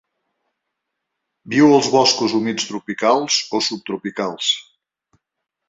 Viu als boscos humits tropicals o subtropicals.